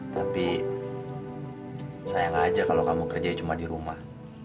tapi sayang aja kalau kamu kerja cuma di rumah